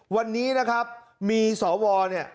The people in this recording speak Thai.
วันนี้นะครับมีสวเนี่ย